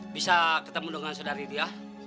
bisa ketemu dengan saudari dia